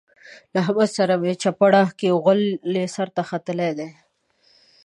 له احمد سره يې مه چېړه؛ غول يې سر ته ختلي دي.